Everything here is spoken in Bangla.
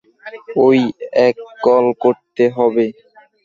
ওই এক কল করতে হবে।